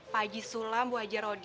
pak haji sulam bu haji rodia